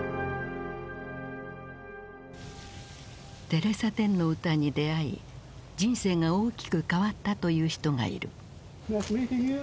テレサ・テンの歌に出会い人生が大きく変わったという人がいる。